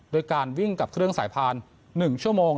โดยการวิ่งกับเครื่องสายพาน๑ชั่วโมง